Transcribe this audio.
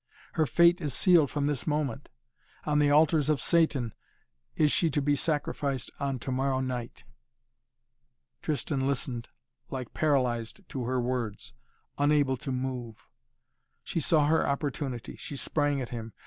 Her fate is sealed from this moment. On the altars of Satan is she to be sacrificed on to morrow night!" Tristan listened like paralyzed to her words, unable to move. She saw her opportunity. She sprang at him.